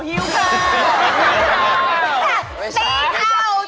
ตีเข่า